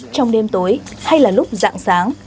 trong đêm tối hay là lúc dạng sáng